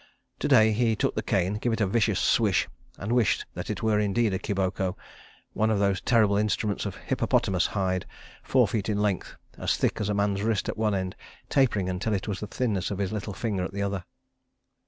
To day he took the cane, gave it a vicious swish, and wished that it were indeed a kiboko, one of those terrible instruments of hippopotamus hide, four feet in length, as thick as a man's wrist at one end, tapering until it was of the thinness of his little finger at the other.